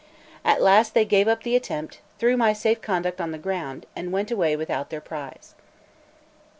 At last they gave up the attempt, threw my safe conduct on the ground, and went away without their prize.